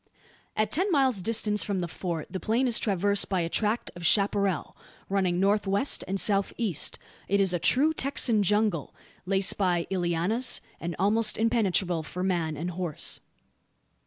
At ten miles' distance from the Fort the plain is traversed by a tract of chapparal, running north west and south east. It is a true Texan jungle, laced by llianas, and almost impenetrable for man and horse.